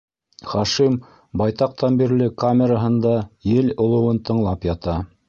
Хашим байтаҡтан бирле камераһында ел олоуын тыңлап ята.